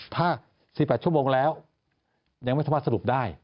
ถ้า๑๘ชั่วโมงแล้วยังไม่สามารถสรุปได้